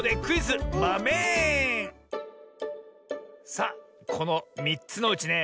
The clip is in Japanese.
さあこの３つのうちね